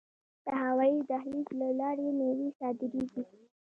د هوایی دهلیز له لارې میوې صادریږي.